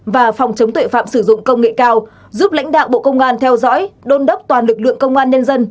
và phòng chống tuệ phạm sử dụng công nghệ cao giúp lãnh đạo bộ công an theo dõi đôn đốc toàn lực lượng công an nhân dân